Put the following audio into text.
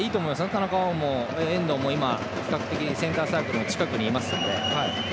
田中碧も遠藤も比較的センターサークルの近くにいますので。